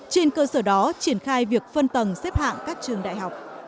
trên cơ sở đó triển khai việc phân tầng xếp hạng các trường đại học